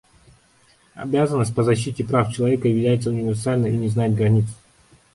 Обязанность по защите прав человека является универсальной и не знает границ.